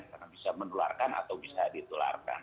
karena bisa mendularkan atau bisa ditularkan